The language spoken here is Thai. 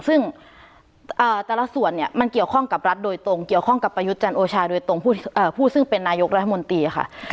ซึ่งแต่ละส่วนเนี่ยมันเกี่ยวข้องกับรัฐโดยตรงเกี่ยวข้องกับประยุทธ์จันทร์โอชาโดยตรงผู้ซึ่งเป็นนายกรัฐมนตรีค่ะ